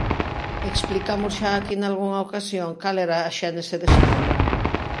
Explicamos xa aquí nalgunha ocasión cal era a xénese dese problema.